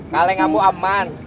kaleng kamu aman